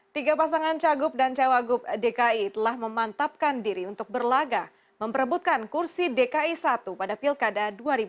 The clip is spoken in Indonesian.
tiga pasangan cagup dan cawagup dki telah memantapkan diri untuk berlaga memperebutkan kursi dki satu pada pilkada dua ribu dua puluh